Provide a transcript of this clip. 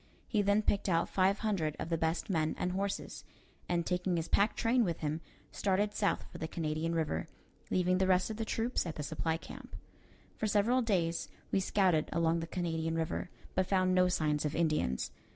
He then picked out five hundred of the best men and horses, and, taking his pack train with him, started south for the Canadian River, leaving the rest of the troops at the supply camp. For several days we scouted along the Canadian River, but found no signs of Indians.